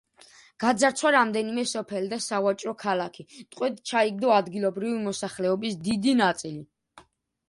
გაძარცვა რამდენიმე სოფელი და სავაჭრო ქალაქი, ტყვედ ჩაიგდო ადგილობრივი მოსახლეობის დიდი ნაწილი.